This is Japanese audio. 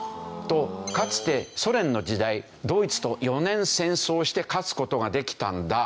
かつてソ連の時代ドイツと４年戦争をして勝つ事ができたんだ。